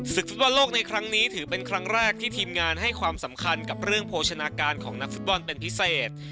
ฟุตบอลโลกในครั้งนี้ถือเป็นครั้งแรกที่ทีมงานให้ความสำคัญกับเรื่องโภชนาการของนักฟุตบอลเป็นพิเศษ